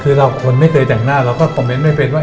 คือเราคนไม่เคยแต่งหน้าเราก็คอมเมนต์ไม่เป็นว่า